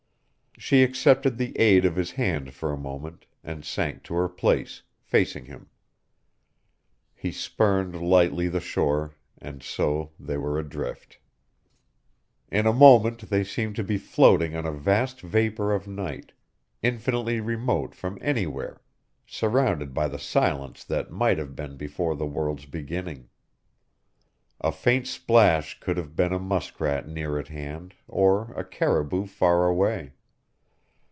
She accepted the aid of his hand for a moment, and sank to her place, facing him. He spurned lightly the shore, and so they were adrift. In a moment they seemed to be floating on a vast vapor of night, infinitely remote from anywhere, surrounded by the silence that might have been before the world's beginning. A faint splash could have been a muskrat near at hand or a caribou far away.